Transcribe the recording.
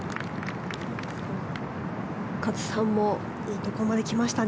勝さんもいいところまで来ましたね。